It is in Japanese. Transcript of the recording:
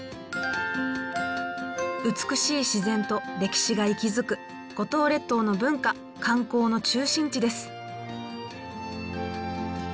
美しい自然と歴史が息づく五島列島の文化観光の中心地です。